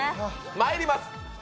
まいります。